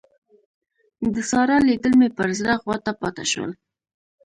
د سارا لیدل مې پر زړه غوټه پاته شول.